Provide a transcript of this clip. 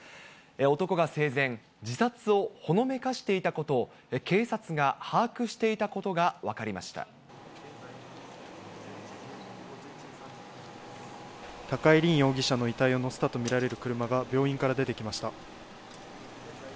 男が生前、自殺をほのめかしていたことを警察が把握していたことが分かりま高井凜容疑者の遺体を乗せたと見られる車が、病院から出てきました。